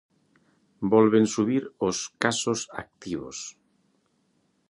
Volven subir os casos activos.